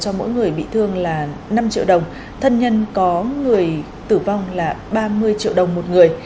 thân nhân có người bị thương là năm triệu đồng thân nhân có người tử vong là ba mươi triệu đồng một người